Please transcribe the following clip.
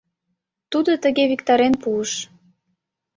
Тудо тыге виктарен пуыш: